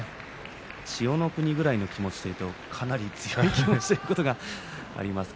千代の国ぐらいの気持ちというと、かなり強い気持ちということがありますね。